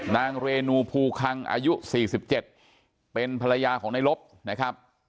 นางเรนูภูคังอายุ๔๗เป็นภรรยาของในลบนะครับ